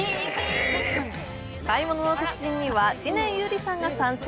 「買い物の達人」には知念侑李さんが参戦。